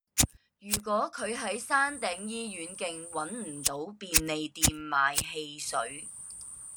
如果佢喺山頂醫院徑搵唔到便利店買汽水